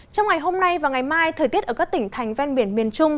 trong ngày hôm nay và ngày mai thời tiết ở các tỉnh thành ven biển miền trung